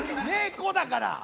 「ねこ」だから。